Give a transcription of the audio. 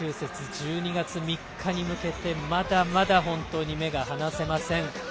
１２月３日に向けて、まだまだ目が離せません。